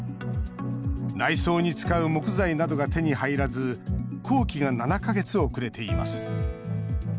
内装に使う木材などが手に入らず工期が７か月遅れています